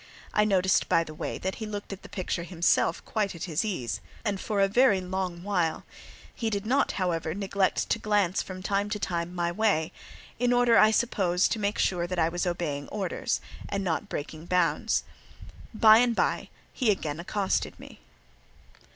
I noticed, by the way, that he looked at the picture himself quite at his ease, and for a very long while: he did not, however, neglect to glance from time to time my way, in order, I suppose, to make sure that I was obeying orders, and not breaking bounds. By and by, he again accosted me.